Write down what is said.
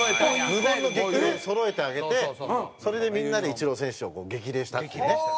無言の激励そろえてあげてそれでみんなでイチロー選手を激励したっていうね。